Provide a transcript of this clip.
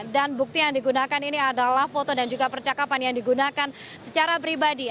dan bukti yang digunakan ini adalah foto dan juga percakapan yang digunakan secara pribadi